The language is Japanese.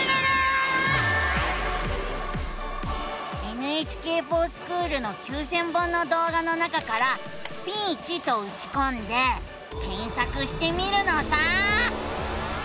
「ＮＨＫｆｏｒＳｃｈｏｏｌ」の９，０００本の動画の中から「スピーチ」とうちこんで検索してみるのさ！